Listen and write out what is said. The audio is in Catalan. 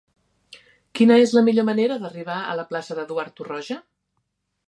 Quina és la millor manera d'arribar a la plaça d'Eduard Torroja?